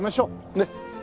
ねっ。